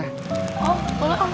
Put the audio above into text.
oh boleh om